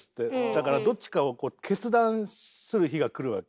だからどっちかをこう決断する日が来るわけ。